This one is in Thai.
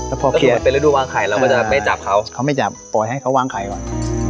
แล้วพอเคลียร์แล้วก็จะไปจับเขาเขาไม่จับปล่อยให้เขาวางไข่ก่อน